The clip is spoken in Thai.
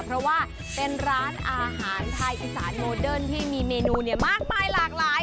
เพราะว่าเป็นร้านอาหารไทยอีสานโมเดิร์นที่มีเมนูมากมายหลากหลาย